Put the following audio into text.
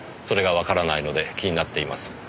それがわからないので気になっています。